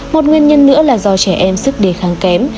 một nguyên nhân nữa là do trẻ em sức đề kháng kém